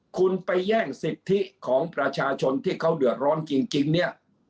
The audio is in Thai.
คุณไปแย่งสิทธิของประชาชนที่เขาเดือดร้อนจริงเนี่ย